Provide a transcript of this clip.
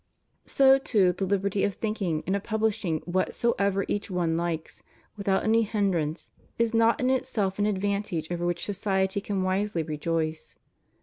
So, too, the liberty of thinking, and of pubUshing, whatsoever each one likes, without any hindrance, is not in itself an advantage over which society can wisely rejoice.